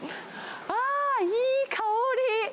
あー、いい香り。